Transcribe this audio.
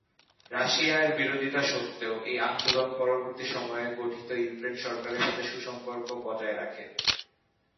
রাশিয়ার বিরোধিতা সত্ত্বেও, এই আন্দোলন পরবর্তী সময়ে গঠিত ইউক্রেন সরকারের সাথে সুসম্পর্ক বজায় রাখে।